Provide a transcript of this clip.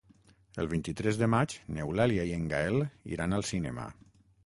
El vint-i-tres de maig n'Eulàlia i en Gaël iran al cinema.